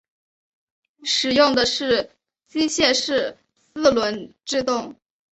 使用的是机械式四轮制动。